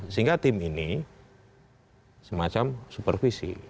sehingga tim ini semacam supervisi